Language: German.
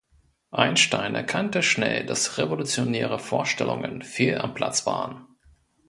Einstein erkannte schnell, dass revolutionäre Vorstellungen fehl am Platz waren.